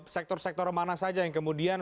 sektor sektor mana saja yang kemudian